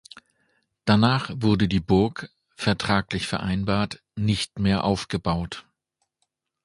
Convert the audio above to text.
Danach wurde die Burg, vertraglich vereinbart, nicht mehr aufgebaut.